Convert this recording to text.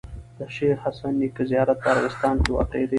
د شيخ حسن نیکه زیارت په ارغستان کي واقع دی.